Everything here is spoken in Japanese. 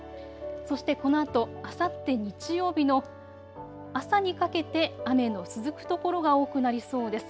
そしてこのあとあさって日曜日の朝にかけて雨の続く所が多くなりそうです。